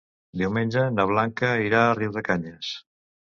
Diumenge na Blanca anirà a Riudecanyes.